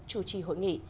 chủ trì hội nghị